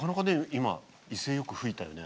今威勢よく噴いたよね。